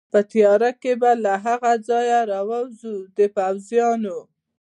په تېاره کې به له دغه ځایه ووځو، د پوځیانو.